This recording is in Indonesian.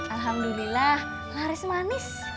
alhamdulillah laris manis